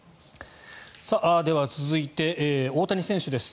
では、続いて大谷選手です。